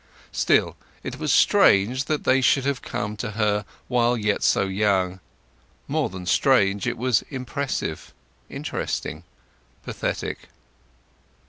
Still, it was strange that they should have come to her while yet so young; more than strange; it was impressive, interesting, pathetic.